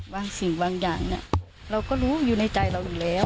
สิ่งบางอย่างเราก็รู้อยู่ในใจเราอยู่แล้ว